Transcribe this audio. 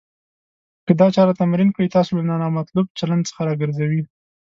که دا چاره تمرین کړئ. تاسو له نامطلوب چلند څخه راګرځوي.